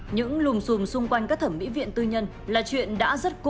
những lùm xùm xung quanh các thẩm mỹ viện tư nhân là chuyện đã rất cụ